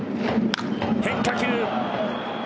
変化球。